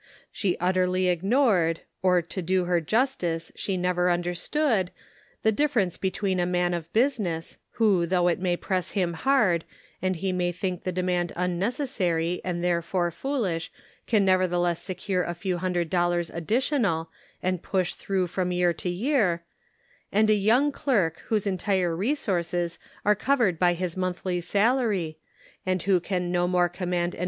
She utterly ig nored, or to do her justice she never under stood, the difference between a man of business, who though it may press him hard, and he may think the demand unnecessary and there fore foolish can nevertheless secure a few hundred dollars additional, and push through from year to year, and a young clerk whose entire resources are covered by his monthly salary, and who can no more command an Shirking Responsibility.